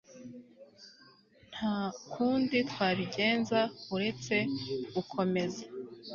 Nta kundi twabigenza uretse gukomeza